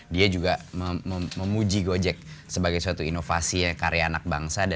dia juga memuji gojek sebagai suatu inovasi karya anak bangsa